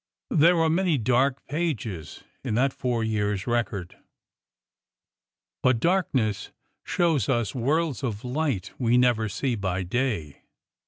There were many dark pages in that four years' record, but— '' Darkness shows us worlds of light We never see by day."